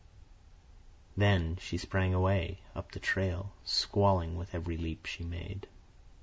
Then she sprang away, up the trail, squalling with every leap she made.